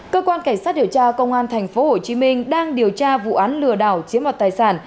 cơ quan cảnh sát điều tra công an tp hcm đang điều tra vụ án lừa đảo chiếm mặt tài sản